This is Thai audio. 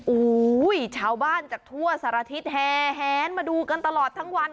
โอ้โหชาวบ้านจากทั่วสารทิศแหนมาดูกันตลอดทั้งวัน